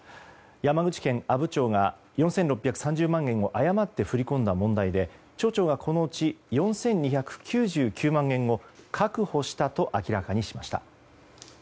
山口県阿武町が４６３０万円を誤って振り込んだ問題で町長がこのうち、４２９９万円を確保したと明らかにしました。